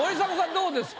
どうですか？